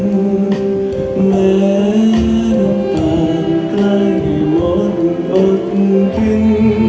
แม้น้ำตาลใกล้หมดอดกิน